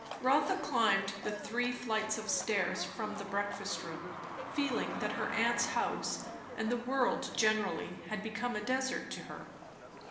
Rotha climbed the three flights of stairs from the breakfast room, feeling that her aunt's house, and the world generally, had become a desert to her.